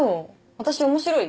私面白い？